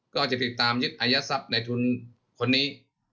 ก็จะติดตามยึดอายัดทรัพย์ในทุนคนนี้